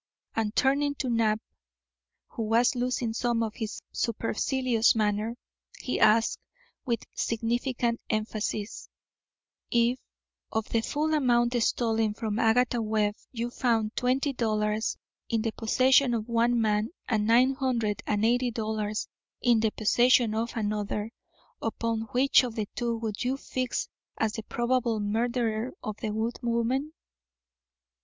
And turning to Knapp, who was losing some of his supercilious manner, he asked, with significant emphasis: "If, of the full amount stolen from Agatha Webb, you found twenty dollars in the possession of one man and nine hundred and eighty dollars in the possession of another, upon which of the two would you fix as the probable murderer of the good woman?"